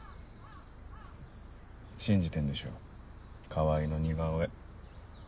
信じてんでしょ川合の似顔絵。